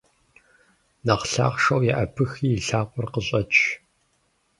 Нэхъ лъахъшэу еӀэбыхи и лъакъуэр къыщӀэч!